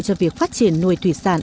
cho việc phát triển nuôi thủy sản